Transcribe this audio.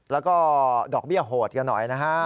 แล้วก็ดอกเบี้ยโหดกันหน่อยนะฮะ